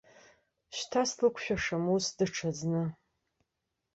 Шьҭа слықәшәашам ус даҽазны.